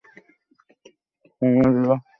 স্বামীজীও শিষ্যের সঙ্গে রঙ্গ-রহস্যে যোগ দিলেন।